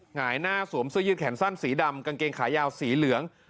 หงายหน้าสวมเสื้อยืดแขนสั้นสีดำกางเกงขายาวสีเหลือง